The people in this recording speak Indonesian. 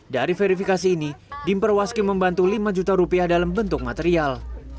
dari verifikasi ini dimper waski membantu lima juta rupiah dalam bentuk material